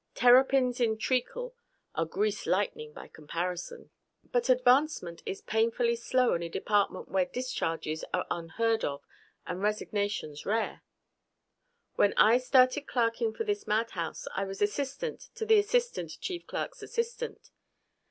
Terrapins in treacle are greased lightning by comparison. But advancement is painfully slow in a department where discharges are unheard of and resignations rare. When I started clerking for this madhouse I was assistant to the assistant Chief Clerk's assistant.